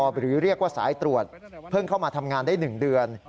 หรือเรียกว่าสายตรวจเพิ่งเข้ามาทำงานได้๑เดือน